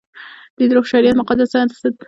دین روح شریعت مقاصد څرګند دي.